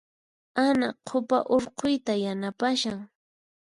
Ana q'upa hurquyta yanapashan.